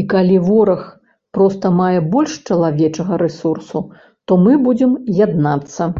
І калі вораг проста мае больш чалавечага рэсурсу, то мы будзем яднацца.